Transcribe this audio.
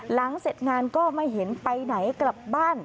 หลังเสร็จงานก็ไม่เห็นไปไหนกลับบ้าน